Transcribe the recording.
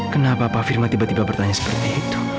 kenapa pak firman tiba tiba bertanya seperti itu